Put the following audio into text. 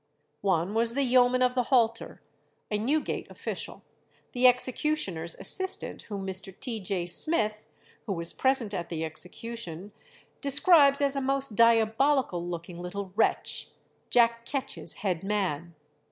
One was the "yeoman of the halter," a Newgate official, the executioner's assistant, whom Mr. J. T. Smith, who was present at the execution, describes as "a most diabolical looking little wretch Jack Ketch's head man."